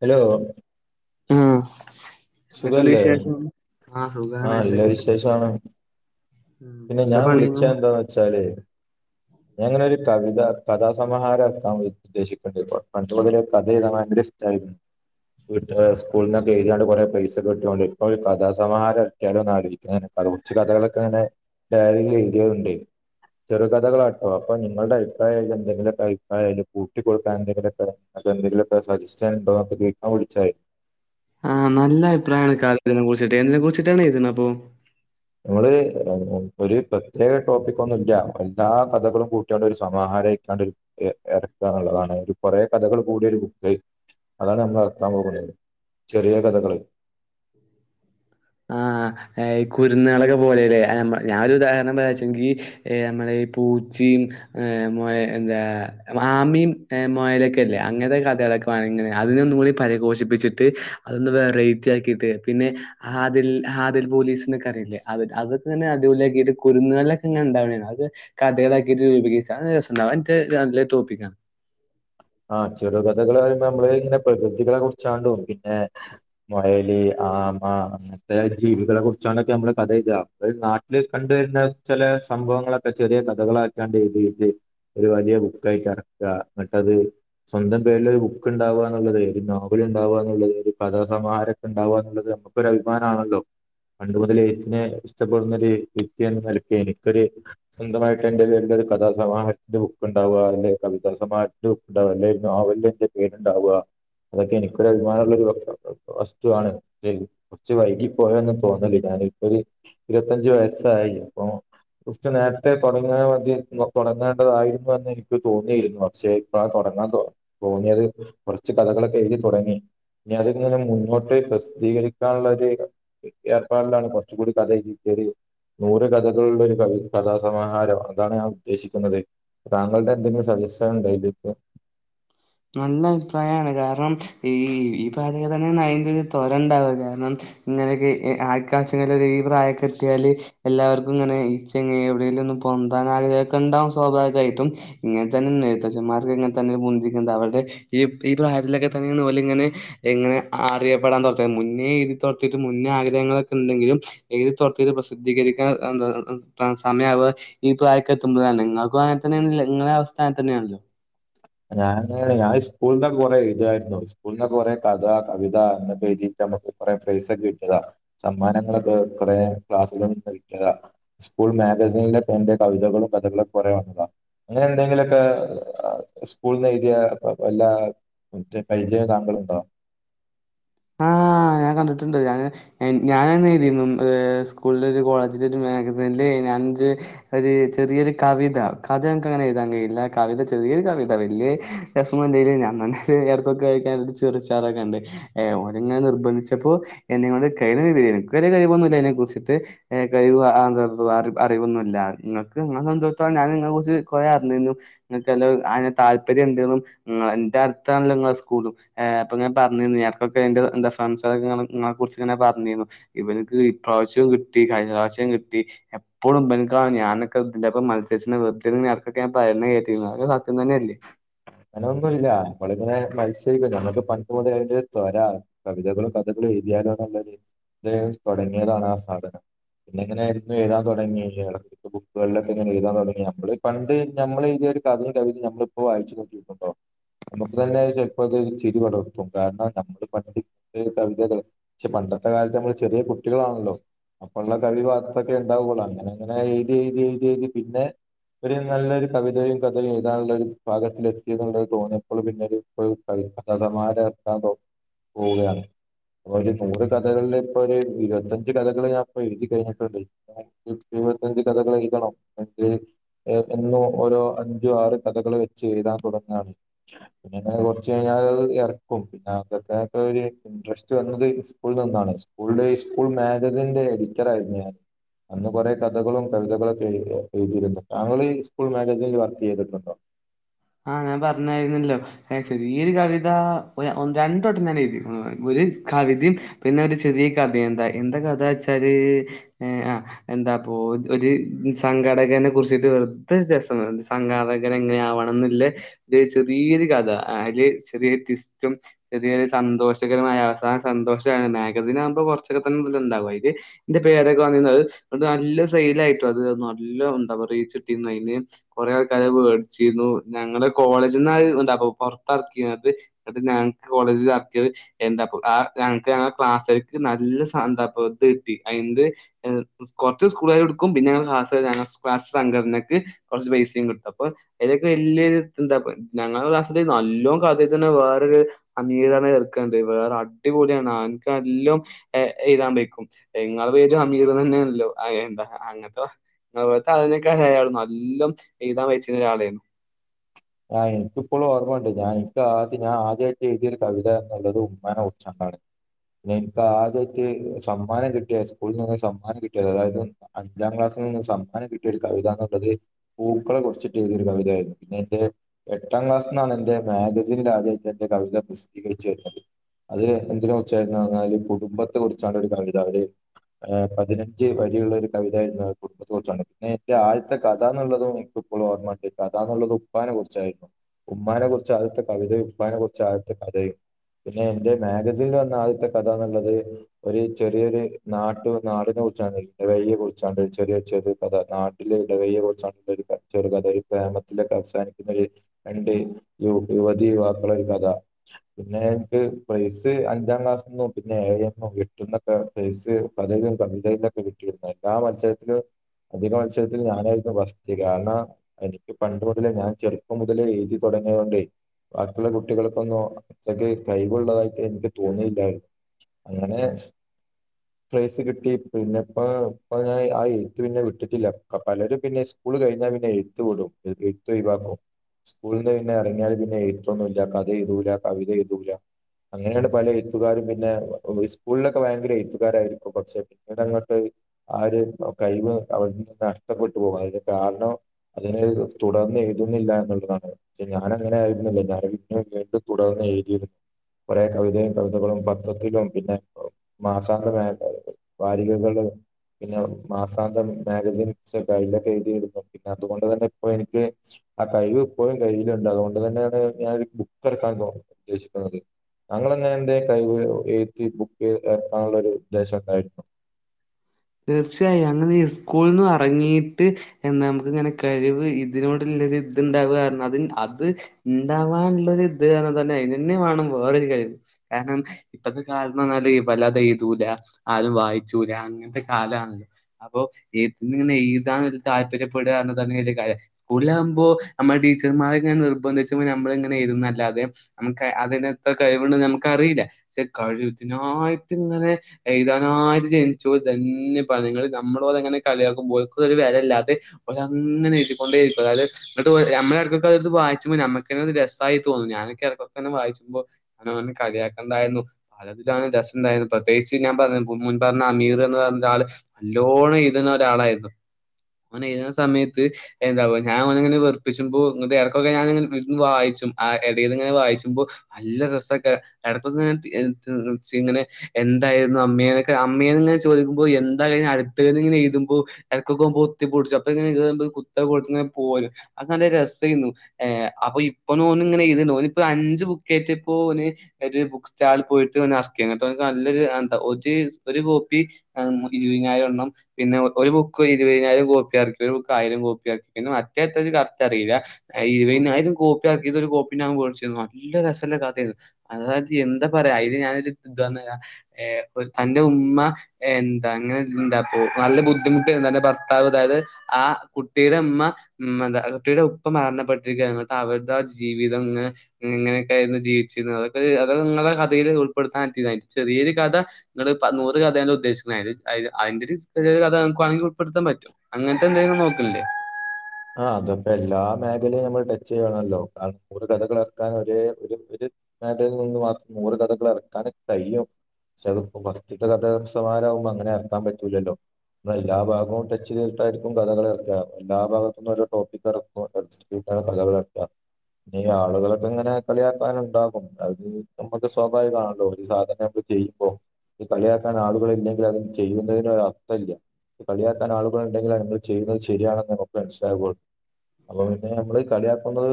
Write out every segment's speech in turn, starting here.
Hello മ്മ് സുഖല്ലേ ആ സുഖാണ് നല്ല എന്തൊക്കെയുണ്ട് വിശേഷാണ് ഉം പിന്നെ എന്താ ഞാൻ വിളിച്ച പണിയുന്നു എന്താന്ന് വെച്ചാല് ഞാനിങ്ങനെ ഒരു കവിത കഥാസമഹാരം ആക്കാൻ ഉദ്ദേശിക്കുന്നുണ്ട് പണ്ടുമുതലേ കഥ എഴുതാൻ ഭയങ്കര ഇഷ്ടമായിരുന്നു വീട്ട് സ്കൂളന്നൊക്കെ എഴുതാണ്ട് കുറെ- പൈസ കിട്ടിയൊണ്ട് ഇപ്പോഴും കഥാസമഹാരം ആക്കിയാലോ കുറച്ച കഥകളൊക്കെങ്ങനെ ഡയറിയിൽ എഴുതിയ ഉണ്ട ചെറു കഥകളാട്ടോ അപ്പൊ നിങ്ങളുടെ അഭിപ്രായം എന്തെങ്കിലൊക്കെ അഭിപ്രായംകൂട്ടികൊടുക്കാൻ എന്തെങ്കിലൊക്കെ സജിസ്റ്റാൻ ഭാഗത്ത്ീക്കാൻ വിടിച്ചായി ആഹ് നല്ല അഭിപ്രായമാണ് കാലെ കുറിച്ചിട്ട് എന്നതിനെ കുറിച്ചിട്ടാണ് എഴുതുന്നെ അപ്പൊ നമ്മള് ഒരു പ്രത്യേക ടോപ്പിക് ഒന്നും ഇല്ല എല്ലാ കഥകളും കൂട്ടിയണ്ട് ഒരു സമാഹാരം ആരക്കാണ്ട് ഇറക്കുക എന്നുള്ളതാണ് ഒരു കൊറെേ കഥകൾ കൂടിയൊ ഒരു ബുക്ക് അതാണ് നമ്മൾറക്കാൻ പോകുന്നത് ചെറിയ കഥകൾ ആഹ കുരുന്നുകളളൊക്കെ പോലെല്ലെ ഞാനൊരു ഉദാഹരണം എ വെച്ചെങ്കിൽ നമ്മള പൂച്ചയും എന്താ മാമിയും മുയലൊക്കെല്ലേ അങ്ങനത്തെ കഥ ഇങ്ങനെ അതിനെ ഒന്നും കൂടി പരിഘോഷിപ്പിച്ചിട്ട് അതൊന്ന് വെറൈറ്റി ആക്കിട്ട് പിന്നെ ഹാദിൽ ഹാദിൽ പോലീസിനൊക്കെ അറില്ല അതൊക്കെന്നെ അടിപൊളി യാക്കിട്ട് കുരുന്നുകളൊക്കെ ഇങ്ങനെ ഉണ്ടാവ കഥകളാക്കിട്ട് രപ രുണ്ടാവാ ര [unintelligible] ടോപ്പിക്കണ് ആഹ ചെറുകഥകൾ വരുമ്പോ നമ്മള് ഇങ്ങനെ പ്രകൃതികളെ കുറിച്ചാലൊ പിന്നെ വയല്- ആ അങ്ങനത്തെ ജീവികളെ കുറിച്ചാണല്ലോ നമ്മള് കഥ എഴുതുക നാട്ടില് കണ്ടുവരുന്ന ചില- സംഭവങ്ങളൊക്കെ ചെറിയ കഥകളാക്കാണ്ട് എഴുതിട്ട് ഒരു വലിയ ബുക്കായി ഇറക്കുക എന്നിട്ടത് സ്വന്തം പേരിൽ ഒരു ബുക്ക് ഉണ്ടാവാുകന്നുള്ളത് ഒരു നോവൽ ഉണ്ടാവുകന്നുള്ളത് ഒരു കഥാസമാഹാരംമൊക്കെ ഉണ്ടാവുക എന്നുള്ളത്- ഇതൊക്കെ ഇപ്പോ ഒരു അഭിമാനമാണല്ലോ പണ്ട് മുതൽ ഞാൻ ഇഷ്ടപ്പെടുന്ന ഒരു വിദ്യയ എനിക്കൊരു സ്വന്തമായിട്ട് എറെ വേരുടെ- കഥാ സമാഹത്തിന്റെ ബുക്ക് ഉണ്ടാവുക അല്ലെങ്കിൽ കവിതാ സമാഹത്തിന്റെ- ഉണ്ടാവ അല്ലായിരുന്നു അവല് എന്റെ പേരുണ്ടാവുക അതൊക്കെ എനിക്കൊരു അഭിമാനമുള്ളൊ ഒരു വസ്തുവാണ് കുറച്ച് വൈകി പോയൊന്നന്ന് തോന്നല ഞാൻ- ഇരുപത്തിയഞ്ചു വയസായി അപ്പോൾ കുറച്ചു നേരത്തെ തുടങ്ങാൽ മതി തോന്നേണ്ടതായിരുന്നു എന്ന് എനിക്ക് തോന്നിയിരുന്നു പക്ഷേ തുടങ്ങാൻ തോന്നിയത് കുറച്ച് കഥകളൊക്കെ എഴുതി തുടങ്ങി ഞാൻ അതിൽങ്ങെ മുന്നോട്ട് പ്രസിദ്ധീകരിക്കാനുള്ള ഒരു ഏർപ്പാടിലാണ് കുറച്ച കൂടി കഥഎഴുതിട്ട് നൂറ് കഥകളുള്ള ഒരു കവി കഥാസമാഹാരം അതാണ് ഞാൻ ഉദ്ദേശിക്കുന്നത് താങ്കളുടെ എന്തെങ്കിലും സജസ്ഷാനൊണ്ടോകയ്യില്. നല്ല അഭിപ്രായമാണ്. കാരണം, ഈ ഈ പാശ്യക്കെതന്നെ നയതില് തോരൊണ്ടാവില്ല. കാരണം. ഇങ്ങനെയെക്ക് ആൾകാശകളെ ഈ പ്രായക്കെയെത്തിയാല് എല്ലാവർ ഇങ്ങനെ ഈ ചങ്ങ എവിടെേലും ഒും പൊന്താ ആൊക്കെണ്ടാവും സ്വാഭാവികമായിട്ടും ഇങ്ങനെ തന്നെെഴ മാർക്കു വന്നെത്തന്നെ മൂഞ്ചി എന്താ അവളുടെ ഈ ഈ പ്രായത്തിലൊക്കെ തന്നെയിതുപോലിങ്ങനെ എങ്ങനെ അറിയപ്പെടാൻ തെടസം മുന്നേയിത്. തോർത്തീട്ട് മുന്നേ ആഗ്രഹങ്ങളൊക്കെണ്ടെങ്കിലുംഎഴുതി തോർത്തിയത് ന്താ. പ്രസിദ്ധീകരിക്കാൻ സമയം. അപ്പ ഈ പ്രായക്കെത്തുമ്പോഴ നിങ്ങൾക്ക് അങ്ങനെ തന്നെയല്ലോ നിങ്ങളെ അവസ്ഥാനത്ത് തന്നെയാണല്ലോ ഞാൻങ്ങ ഞാൻ സ്കൂളിന്റെ കൊറെേ ഇതായിരുന്നു സ്കൂളിന്റെ കൊറെ കഥ കവിത അങ്ങനെ പേതി പ്രൈസെ കട്ട സമ്മാനങ്ങളൊക്കെ കുറ ക്ലാ കിട്ട സ്കൂൾ മാഗസീനില് എന്റെ കവിതകള് കഥകളൊക്കെ കൊറെ വന്നതാ. അങ്ങനെ എന്തെങ്കിലുമൊക്കെ ആഹ്. സ്കൂൾന്ന് എഴുതിയയെല്ലാ മറ്റ് പരിചയ താങ്കളുണ്ടോ? ആഹ് ഞാൻ കണ്ടിട്ടൊണ്ട്. ഞ ഞാനെന്നെഴുതിരുന്നു. സ്കൂളിലെ ഒരു കോളേജിലൊരു മാഗസീനില് ഞാ അഞ്ച് ഒരു ചെറിയൊരു കവിത. കഥ ഞക്കങ്ങനെ എഴുതാൻ കഴിയില്ല. കവിത ചെറിയൊരു കവിത വെല്യ. രസമൊന്തെല ഞങ്ങക്ക് ചേർത്തൊക്കെ കഴിക്കാൻ ഒരു ചെറുച്ചാറെക്കെയൊണ്ട്. ഏ ഓനങ്ങനെ നിർബന്ധിച്ചപ്പോയെന്നെ വന്ന് കഴിവെന്തര്, എനക്ക് വെല്യാ കഴിവൊന്നുയില്ലതിനെ കുറിച്ചിട്ട് കഴിവ അങ്ങനെത്തെയറിവൊന്നും ഇല്ല. നിങ്ങക്ക് നിങ്ങടെ സന്തോത്തോ ഞാൻ നിങ്ങളെകുറിച്ച് കൊറെയറിഞ്ഞിരുന്നു. നിങ്ങെക്ക് അയ്ന് താല്പര്യം ഉണ്ടേന്നും എന്റെ അടുത്താണല്ലോ നിങ്ങളെ സ്കൂളും അപ്പൊ ഞാൻ പറഞ്ഞിരുന്നു. ഞാൻ ഒക്കെ എന്റെ എന്റെ ഫ്രണ്ട് സൊക്കെ നിങ്ങെളെക്കുറിച്ചിങ്ങനെ പറഞ്ഞിരുന്നു, ഇവനിക്ക് ഇപ്രാവശ്യോം കിട്ടി കഴിഞ്ഞ പ്രാവശ്യം കിട്ടി, എപ്പോഴും ബെങ്ക ഞാനൊക്കെ ഇതിന്റൊപ്പം മത്സ്യത്തിന്റെ വെറ്തെങ്ങിങ്ങനെ യെറക്കൊക്കെ പറയുന്ന കേട്ടു നിങ്ങെളേക്കാര്യം. സത്യം തന്നെയല്ലേ അങ്ങനൊന്നും ഇല്ല. വളരെ നൈസായി ഞാൻ നോക്കിയപ്പോ പണ്ട്‌ മൊതലതിന്റെ തെരാം. കവിത കളും കഥകളും. എഴുതിയാലോ നല്ലൊതു ഇദ്ദേഹം തൊടങ്ങിയതാണ് ആ സാധനം. പിന്നെ എങ്ങനെയായിരുന്നു എഴ്താൻ തൊടങ്ങിയത്? ഇടക്ക് ബുക്കുകളിലൊക്കെ ഞാനെഴുതാൻ തൊടങ്ങിയത്. നമ്മെള് പണ്ട് ഞമ്മള് ഇതേപ്പോ ഒരു കഥയും കവിതയും. നമ്മളിപ്പോൾ വായിച്ചു നോക്കിയിട്ടൊണ്ടോ? നമ്മുക്ക് തന്നെയത് ചെല്പ്പ്പോയത് ഒരു ചിരി പടർത്തും. കാരണം നമ്മുടെ പണ്ടി കവിതകള്. പക്ഷെ പണ്ടത്തെ കാലത്ത് നമ്മള് ചെറിയ കുട്ടികളാണല്ലോ അപ്പോള്ള കവിതാവാത്തൊക്കെ ഉണ്ടാവൊള്ളൂ. അങ്ങനെ അങ്ങനെ എഴുതി എഴുതി എഴുതി എഴുതി പിന്നെ. ഒരു നല്ലൊരു കവിതയും കഥയും എഴുതാനൊള്ളരു പാഗത്തിലെ തോന്നിയപ്പോൾ പിന്നീട് അ സമാര എത്ത പോവുകയാണ് അപ്പോരു നൂറ് കഥകളിൽ ഇപ്പോയത്, ഒരു ഇരുപത്തഞ്ച് കഥകൾ ഞാനിപ്പോ എഴുതി കഴിഞ്ഞിട്ടൊണ്ട്. ഇരുപത്തിഞ്ച് കഥകൾ എഴുതണം. അങ്കിൽ എന്തന്നോ ഓരോ അഞ്ചോ ആറ് കഥകൾ വെച്ച് എഴുതാൻ തുടങ്ങ പിന്നെങ്ങനെ.. കൊറച്ച് കഴിഞ്ഞാല് ഇറക്കും. പിന്നെ അന്നന്നേക്ക് ഇൻറെസ്റ്റ് വന്നത് കൊ സ്കൂളിൽ നിന്നാണ്. സ്കൂളിലിപ്പോ മാഗസിന്റെ എഡിറ്റർ ആയിരുന്നു ഞാൻ. അന്ന് കൊറെ കഥകളും കവിതകളൊക്കെ എഴുതിയിരുന്നു. താങ്കളി ഈ സ്കൂൾ മാഗസിനിൽ വർക്ക് ചെയ്തിട്ടോണ്ടോ? ആഹ് ഞാൻ പറഞ്ഞായിരുന്നല്ലോ. ചെറിയൊരു കവിത ഒര രണ്ടു വട്ടം ഞാനെഴുതി. ഗുലാ. ഹ് കവിതയും പിന്നെ ചെറിയ കഥ എന്താ. എന്താ കഥ വെച്ചാല് ആ എന്താ അപ്പോ ഒരു സംഘാടകനെ കുറിച്ചിട്ട് വെർത്ത് രെസം. സംഘാടകൻ എങ്ങനെയാവണെന്നും അല്ലേ ചെറിയൊരു കഥ അതില് ചെറിയൊരു ടിസ്റ്റും ചെറിയൊരു സന്തോഷകരമായ അവസാന സന്തോഷമാണ് മാഗസീൻ ആകുമ്പോൾ കൊറച്ചൊക്കെ തന്നെ ബുദ്ധിമുട്ടുണ്ടാവുകയാ ഇത്തിന്റെ പേരൊക്കെ വന്നിതിരുന്ന് അതുകൊണ്ട് നല്ല നല്ല സെയ്ൽ ആയിട്ടും അത് നല്ല എന്താ പറയ റീച്ച് കിട്ടിരുന്നു കൊറെ ആൾക്കാര് മേടിച്ചിരുന്നു. ഞങ്ങളുടെ കോളേജിൽന്ന് എന്താപ്പ പൊറത്ത് ഇറക്കിണത് അത് ഞങ്ങക്ക് കോളേജിനകത്ത് എന്താ ആ ഞക്കാണേ ക്ലാസ്സുകൾക്ക് നല്ല സന്താപ്രത്ത് കിട്ടി അയ്ന്റെ കൊറച്ച് സ്കൂളുകാരെടുക്കും പിന്നെ ക്ലാസ്സ് ഞങ്ങടെ ക്ലാസ്സ് സംഘടനക്ക് കൊറെച്ച് പൈസയും കിട്ടും അപ്പോ വെല്യാരു എന്താ പ ഞങ്ങളുടെ ക്ലാസ്സില് നല്ലോ കഥയെഴുതന്ന വെറൊരു അങ്ങിതാന്നു പറയുന്ന ചെർക്കനൊണ്ട് വേറെ അടിപൊളിയാണ് അവന്ക് ക്കെല്ലാം എഴുതാൻ പെക്കും നിങ്ങളുടെ പേര് അമീറ് അങ്ങനെയല്ലോ അയെന്താ അങ്ങനത്തെ വ അതുപോല തല നീക്കാനയാള് നല്ലോം എഴുതാൻ വായിച്ചുരുന്ന ഒരാളായിരുന്നു ഞാ എനിക്കിപ്പോഴും ഓർമ്മയുണ്ട് ഞാ എനിക്ക് ആദ്യ ഞാൻ ആദ്യമായിട്ട് എഴുയൊരു കവിത എന്നുള്ളത് ഉമ്മനെ കുറച്ചാണ് ആണ് പിന്നെ എനിക്ക് ആദ്യ് സമ്മാനം കിട്ടിയാ സ്കൂളിൽ നിന്ന് സമ്മാനം കിട്ടിയ അതായത് അഞ്ചാം ക്ലാസ് ന്ന് സമ്മാനം കിട്ടിയ ഒരു കത എന്നുള്ളത് പൂക്കളെ കുറച്ചിട്ട് ചെയ്ത ഒരു കവിതയായിരുന്നു പിന്നെ എന്റെ എട്ടാം ക്ലാസ്സിൽ നിന്നാണ് എന്റെ മാഗസിൻ രാജേ എന്റെ കവിത പുസിദ്ധീകരിച്ചു വരുന്നത് അത് എന്തിന ച്ചായിന്നു പറഞ്ഞാല് കുടുംബത്തെ കുറിച്ചാണ് ഒരു കവിതല് പതിനഞ്ച് വരിുള്ള ഒരു കവിതായിരുന്നു കുടുംബത്തെ കുുറച്ചാണ് പിന്നെ എന്റെ ആദ്യത്തെ കഥന്നുള്ളതും എ ഓർ അതുള്ളത് ഉപ്പാനെ ായി ഉമ്മാനെ കുറിച്ച് ആദ്യത്തെ കവിതയും ഉപ്പാനെ കുറിച്ച് ആദ്യത്തെ കഥയും പിന്നെ എൻന്റെ മാഗസിനിൽ വന്ന ആദ്യത്തെ കഥ എന്നുള്ളത് ഒരു ചെറിയൊരു നാട്ടും നാടിനോ കുർച്ചണ് വയ്യെ കുറിച്ചാണ് ചെറിയ ചെറ കഥ നാട്ട വെ കുറിച്ചാണ് ചെറ കഥ [unintelligible] രണ്ട് യുവതി യുവാക്കള ഒരു കഥ പിന്നെ എനിക്ക് പ്രൈസ് അഞ്ചാം ക്ലാസ് എന്നോ പിന്നെ ഏഴ എന്നോ എട്ട എന്നൊക്കെ ഫേസ് പലും കൈലൊക്കെ കിട്ടിയിന്ന എല്ല ആ മത്സരത്തില് അധിക മത്സരത്തിൽ ഞാനായിരുന്നു ബസ്തി കാരണം എനിക്ക് പണ്ട് മുതലേ ഞാൻ ചെറുപ്പം മുതലേ എഴുതി തുടങ്ങിയത കൊണ്ടേ പക്കിയുള്ള കുട്ടികൾക്കൊന്നും ഇത്രൊക്കെ കൈ വുള്ളതായിട്ട് എനിക്ക് തോന്നിയില്ലായിരുന്നു അങ്ങനെ പ്രൈസ് കിട്ടി പിന്നെപ്പഞ ആ എഴ പിന്നെ കിട്ടിട്ടില്ല പലരും പിന്നെ ഉള് കഴിഞ്ഞാ പിന്ന എയുത്ത് വിടും എയുത്ത് ഒഴുവാകും സ്കൂളിന്ന് പിന്നെ ഇറങ്ങിയാല് പിന്നെ എഴുത്തൊന്നുമില്ല കഥ എയുതൂല കവിത എയുതൂല അങ്ങനെയട്ട പല എഴുത്തുകാരും പിന്നെ സ്കൂളിലൊക്കെ ഭയങ്കര എഴുത്തുകാരായിരിക്കും പക്ഷെ പിന്നീട്ങ്ങോട്ട് ആര് കഴിവ് അവിടെ നിന്ന് നഷ്ടപ്പെട്ടു പോകും അതിന് കാരണം അതിന് തുടർന്ന് ന്നില്ല എന്നുള്ളതാണ് പക്ഷെ ഞാാന അങ്ങനെ ആയിരുന്നല്ലോ ഞാൻ ഇ വീണ്ടും തുടർന്ന് എഴുതിയിരുന്നു കുറെ കവിതയും കവിതകളും പത്രത്തിലും പിന്നെ മാസാന്തരമായ ക വാരികകൾ പിന്നെ മാസാന്തം മാഗസിൻ ക അയിലൊക്കെ എഴുതിയിടുന്നു പിന്നെ അതുകൊണ്ട് തന്നെ ഇപ്പൊ എനിക്ക് ആ കഴിവ് ഇപ്പോഴും കയ്യിലുണ്ട് അതുകൊണ്ട് തന്നെയാണ് ഞാനരു ബുക്ക് ഇറക്കാൻ തോന്ന ഉദ്ദേശിക്കുന്നത് ഞങ്ങൾന്നെ എന്ത കൈ എഴ ബുക്ക് ചെയ് എക്കാനുള്ള ഒരു ഉദ്ദേശ ഉണ്ടായിട്ടുണ്ടോ [inaudible] തീർച്ചയായും അങ്ങനെ സ്കൂള നിന്നന്ന് ഇറങ്ങീയിട്ട് നമുക്ക് ഇങ്ങനെ കഴിവ് ഇതിനോട് ഇത്ണ്ടാവുക കാരണം അ അത് ഉണ്ടാവാനുള്ള ഇത് കാരണം തന്നെ അതിന തന്നെ വേണം വേറൊരു ക കാരണം ഇപ്പത്തെ കാരണംന്നാല വലതെഴുതൂല ആരും വായിച്ചൂല അങ്ങനത്തെ കാലമാണല്ലോ അപ്പോ എങ്ങനെ എുതാൻ താല്പര്യപ്പെടുക തന്ന കാര്യം സ്കൂളിലകുമ്പ ബോ ടീച്ചർമാരെങ്ങനെ നിർബന്ധിച്ചോ നമ്മള ഇങ്ങന ഇരുന്ന അല്ലാതെ അതി കഴിവ നമക്കറിയില്ല പക്ഷെ കഴി ഇതിനായിട്ട് ഇങ്ങനെ എഴുതാനായിട്ട് ജനി തന്നെ പറ നിങ്ങങ്ങള് നമ്മളോല അങ്ങനെ കളിയക്കുമ്പോക്ക ഒരു വിലയില്ലാതെ ഒര അങ്ങനെ എഴുതി ക്കൊണ്ടേരിക്ക അത നമ്മ ഇടക്ക അടുത്ത് വായിച്ചുമ്പോ നമ്മു തെത് രസമായി തോന്നു ഞാനൊക്കെ ഇടക്കൊക്കെന്നെ വായിച്ചുമ്പോ അങ്ങനെ കളിയാക്കണ്ടായിരുന്നു അലാണ് രസംുണ്ടായിരുന്നു പ്രത്യേകിച്ച് ഞാൻ പറഞ്ഞ മുൻപഞ്ഞ അമീർ പറ ആ അല്ലോണം ഇതി ഒരാളായിരുന്നു അവന എഴുുന്ന സമയത്ത് എന്താ ഞാൻ അവനങ്ങനെറുപ്പിച്ചുമ്പോ ഇ ഇറക്കൊക്കെ ഞൻ വായി ആ ഇടൽങ്ങനെ വായിച്ചുമ്പോ നല്ല രസക്കടത്ത ഇങ്ങനെ എന്തായിരുന്നു അമ്മേനൊക്കെ അമ്മയേ ്പോ എന്താഴിാ അടുത്ത ഇനെഴുത്പോ ഇക്കെുമ്പ ഒത്തിൊടിച്ചു അപ്പങ്ങനെ കുത്ത കൊടു പോലും അ നല്ല രസമായിുന്നു അപ്പൊ ഇപ്പൊോന്ന ഇങ്ങനെ ഇത് ഓപ്പോ അഞ്ചച് ബുക്കേറ്റ് ന് ഒരു ബുക്ക് സ്റ്റാളിൽ പോയിട്ട് നെറക്കി അങ്ങന നല്ലൊരു എന്താ ഒരു ഒരു കോപ്പി ഇരുപതിനായിരം എണ്ണം പിന്നെ ഒരു ബുക്ക് ഇരുപതിനായിരം കോപ്പി ആറക്കി ഒരു ബുക്ക് ആയിരം കോപ്പി ആറക്കി പിന്നെ അത്യ കറത്ത്റിയില്ല ഇരുപതിനായിരം കോപ്പി ഇറക്കിയത് ഒരു കോപ്പികഴിച്ച നല്ല രസല്ല കാ അ എന്താ പറയാ അതിത് ഞാനൊരു ഇത്ന്ന ഏ തന്റെ ഉമ്മ എന്താ അങ്ങനെ എന്താപ്പോ നല്ല ബുദ്ധിമുട്ടായിരുന്നു തന്റെ ഭർത്താവ് ഇല്ലാതെ ആ കുട്ടിയുടെ അമ്മ ഉം അതാ കുട്ടിയുടെ ഉപ്പ മരണപ്പെട്ടിരിക്കുകയാണ് അന്നിട്ട്‌ അവരുടെ ആ ജീവിതം ഇങ്ങനെ ഇങ്ങനെയൊക്കെ ആയിരുന്നു ജീ വിച്ചിരുന്നേ അതൊക്ക അതൊക്കെ നിങ്ങടെ കഥയിൽ ഉൾപ്പെടുത്താൻ പറ്റിയില്ല ചെറിയൊരു കഥ നിങ്ങടെ നൂറ് കഥ [unintelligible] പ്ലേസ് മാര്യേജ് അതിന്റെ അതിന്റെയൊരു ചെറിയൊരു കഥ നിങ്ങൾക്ക് വേണമെങ്കിൽ ഉൾപ്പെടുത്താൻ പറ്റും അങ്ങനത്തെ എന്തെങ്കിലും നോ ക്കില്ലേ ആ അതപ്പോ എല്ലാ മേഖലേയും നമ്മൾ ടച്ച് ചെയ്യണല്ലോ [unintelligible] നൂറ് കഥകള റക്കാൻ ഒര് ഒ ര് അതായത് നിന്ന് മാത്രം നൂറ് കഥയൊക്കെ [unintelligible] കഴിയും പക്ഷെ അതിപ്പൊ ഫസ്റ്റിത്തെ കഥാ സമാഹാരമാവുമ്പോ അങ്ങനെ എറക്കാൻ പറ്റൂലല്ലോ അപ്പോ എല്ലാ ഭാഗവും ടച്ച് ചെയ്തിട്ടായിരിക്കും കഥകൾ ഇറക്കുക എല്ലാ ഭാഗ വും ഓരോ ടോപ്പിക്ക് ഇറക്കും അതനുസരിച്ചാണ് കഥകൾ ഏറക്കുക പിന്നെ ഈ ആളുകളൊക്കെ ഇങ്ങനെ കളിയാക്കാനുണ്ടാകും അത് നമ്മുക്ക് സ്വാഭാവികമാണല്ലോ ഒരു [unintelligible] ചെയ്യുമ്പോ ഈ കളിയാക്കാൻ ആളുകൾ ഇല്ലെങ്കിൽ അത് ചെയ്യുന്നതിന് ഒരർത്ഥമില്ല കളിയാക്കാൻ ആളുകുകളുണ്ടെങ്കിൽ മ്മള് ചെയ്യുന്നത് ശരിയാണോന്ന് നമുക്ക് മനസ്സിലാവൂ അപ്പൊ പിന്നെ നമ്മള് കളിയാക്കുന്നത്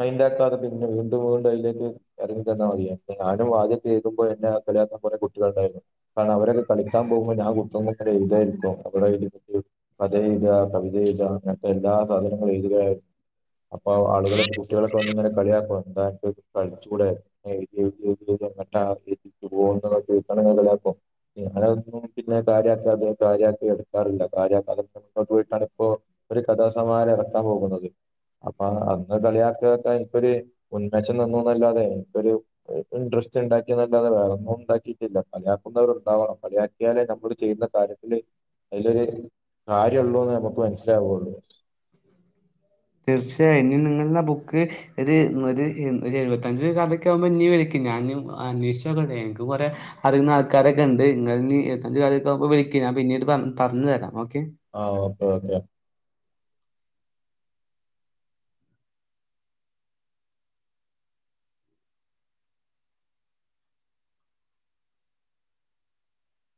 മൈന്റ് ആക്കാതെ പിന്നെ വീണ്ടും വീണ്ടും അതിലേക്ക് എറങ്ങി ചെന്നാ മതിയോ അപ്പോ ഞാനും ആദ്യം കേൾക്കുമ്പോൾ എന്നെ കളിയാക്കാൻ കുറെ കുട്ടികളുണ്ടായിരുന്നു കാരണം അവരൊക്കെ കളിക്കാൻ പോകുമ്പോ ഞാ ആ [unintelligible] എഴുതാനിരിക്കും [unintelligible] കഥ എഴുതുക കവിത എഴുതുക അങ്ങനത്തെ എല്ലാ സാധനങ്ങളും എഴുതുവാ അപ്പൊ ആളുകള് കുട്ടികളൊക്കെ വന്ന് കളിയാക്കും എന്താ അന്ക്ക് കള് ച്ചൂടെ എയ്തി എയ്തി എയ്തി എന്നിട്ടാ [unintelligible] വിറ്റങ്ങു മൊതലാക്കും ഞാനതൊന്നും പിന്നെ കാര്യക്കാതെ കാര്യക്കി എടുക്കാറില്ല കാര്യക്കാതെമുന്നോട്ട് പോയിട്ടാണ് ഇപ്പോ ഒരു കഥാസമാഹാരം ഇറക്കാൻ പോകുന്നത് അപ്പൊ അന്ന് കളിയാക്കിയാൾക്കാർക്കൊരു എനിക്കൊരു ഉന്മേഷം തന്നുന്നല്ലാതെ എനിക്കൊരു ഇൻട്ര സ്റ്റിണ്ടാക്കിയതല്ലാതെ വേറൊന്നും ഉണ്ടാക്കിയിട്ടില്ല. കളിയാക്കുന്നവർ ഇണ്ടാവണം കളിയാക്കിയാലേ നമ്മള് ചെയ്യുന്ന കാര്യത്തില് അതിലൊരു കാര്യണ്ടോന്ന് നമുക്ക് മനസിലാവൊള്ളൂ തീർച്ചയായും ഇനി നിങ്ങളെ ബുക്ക് ഒരു ഒരു എഴുപത്തഞ്ച് കഥക്കെ ആവുമ്പോ ഇഞ്ഞും വിളിക്കി ഞാനും അന്വേ ഷിച്ചോക്കട്ടെ എനിക്ക് കുറേ അറിയുന്ന ആൾക്കാരൊക്കെ ഇ ണ്ട് ഇങ്ങള് എഴു പത്തഞ്ച് കഥാവുമ്പോ വിളിക്കി ക്ക് ഞാൻ പിന്നീട് പറ പറഞ്ഞു തരാം ഓ ആഹ് ഓക്കെ ഓക്കെ.